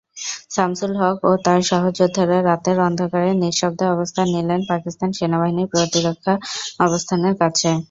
শামসুল হক ও তার সহযোদ্ধারা রাতের অন্ধকারে নিঃশব্দে অবস্থান নিলেন পাকিস্তান সেনাবাহিনীর প্রতিরক্ষা অবস্থানের কাছে।